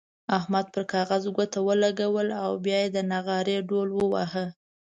احمد پر کاغذ ګوته ولګوله او بيا يې د نغارې ډوهل وواهه.